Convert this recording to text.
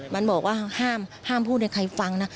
มันบอกว่าห้ามพูดให้ใครฟังนะ